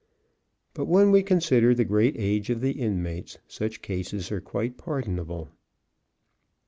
But when we consider the great age of the inmates, such cases are quite pardonable.